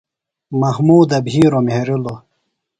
محمودہ بِھیروۡ مھیرِلوۡ۔